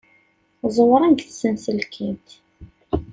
Ẓewren deg tsenselkimt.